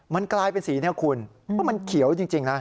มันกลายเป็นสีเนี่ยคุณเพราะมันเขียวจริงนะ